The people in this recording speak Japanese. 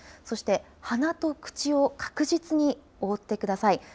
そして鼻と口を確実に覆ってください。